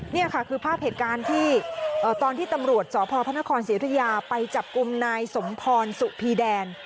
นี่ค่ะคือภาพเหตุการณ์ที่ตอนที่ตำรวจสพพระนครศิริยาไปจับกลุ่มนายสมพรสุพีแดน